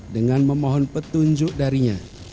dengan memohon petunjuk darinya